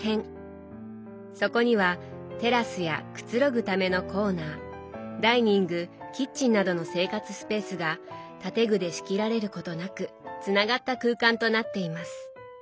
そこにはテラスやくつろぐためのコーナーダイニングキッチンなどの生活スペースが建具で仕切られることなくつながった空間となっています。